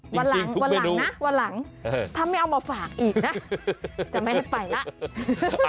ทุกเมนูวันหลังนะวันหลังถ้าไม่เอามาฝากอีกนะจะไม่ได้ไปละ